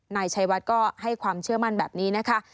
นายชัยวัดก็ให้ความเชื่อมั่นแบบนี้นะคะ